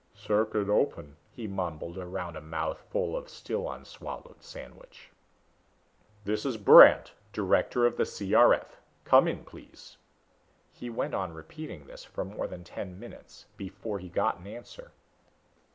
"Circuit open," he mumbled around a mouthful of still unswallowed sandwich. "This is Brandd, director of the C.R.F. Come in, please." He went on repeating this for more than ten minutes before he got an answer.